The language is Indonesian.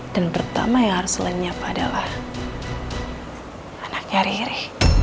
dan pertama yang harus lenyap adalah anaknya riri